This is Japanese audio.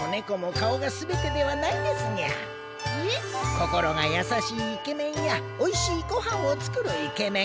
心がやさしいイケメンやおいしいごはんを作るイケメン。